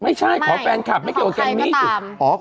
ไม่ใช่ขอแฟนคลับไม่เกี่ยวกับแกมมี่ขอใครก็ตาม